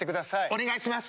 お願いします！